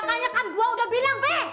makanya kan gua udah bilang